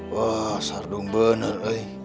wah sardung bener